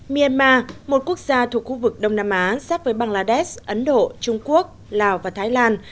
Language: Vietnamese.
myanmar một quốc gia thuộc khu vực đông nam á sát với bangladesh ấn độ trung quốc lào và thái lan